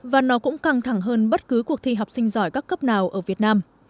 và nó cũng căng thẳng hơn bất cứ cuộc thi học sinh giỏi các cấp nào ở việt nam